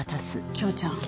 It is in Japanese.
匡ちゃん